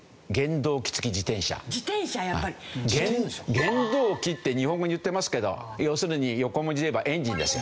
原動機って日本語で言ってますけど要するに横文字で言えばエンジンですよ。